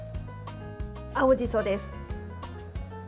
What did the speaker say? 青じそです。